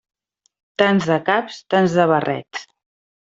Tants de caps, tants de barrets.